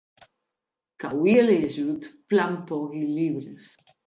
Qu’auie liejut plan pòqui libres.